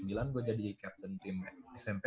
gue udah jadi captain tim smp